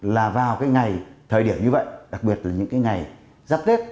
là vào cái ngày thời điểm như vậy đặc biệt là những cái ngày giáp tết